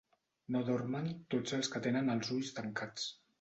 No dormen tots els que tenen els ulls tancats.